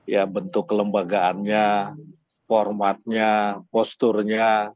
ya bentuk kelembagaannya formatnya posturnya